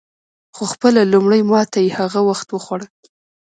خو خپله لومړۍ ماته یې هغه وخت وخوړه.